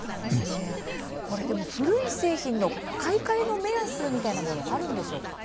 古い製品の買い替えの目安というのはあるんでしょうか。